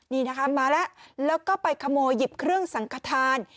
นี่นะคะมาแล้วแล้วก็ไปขโมยหยิบเครื่องสังขทาน